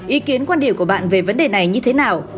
ý kiến quan điểm của bạn về vấn đề này như thế nào